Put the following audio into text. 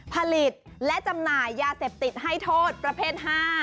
ผลิตและจำหน่ายยาเสพติดให้โทษประเภท๕